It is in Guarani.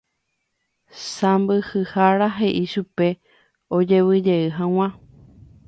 Sãmbyhyhára he'i chupe ojevyjey hag̃ua